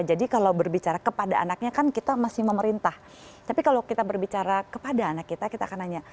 jadi kalau berbicara kepada anaknya kan kita masih memerintah tapi kalau kita berbicara kepada anak kita kita akan nanya